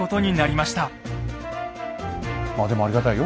まあでもありがたいよ